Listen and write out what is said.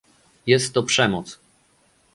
Jest to przemoc